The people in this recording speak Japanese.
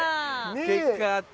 結果あった。